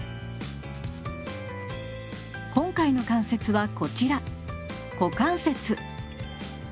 今回の関節はこちら股関節。